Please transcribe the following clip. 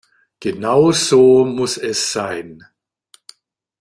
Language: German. Genau so muss es sein.